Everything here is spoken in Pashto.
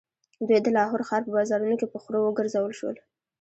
دوی د لاهور ښار په بازارونو کې په خرو وګرځول شول.